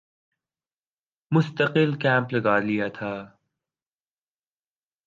مستقل کیمپ لگا لیا تھا